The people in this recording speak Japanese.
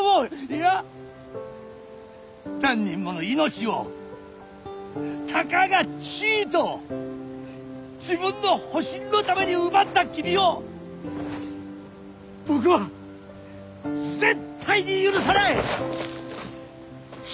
いや何人もの命をたかが地位と自分の保身のために奪った君を僕は絶対に許さない！